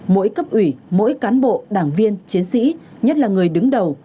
mỗi cấp ủy mỗi cán bộ đảng viên chiến sĩ nhất là người đứng đầu